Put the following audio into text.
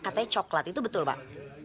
katanya coklat itu betul pak